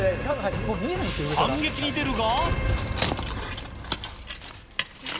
反撃に出るが。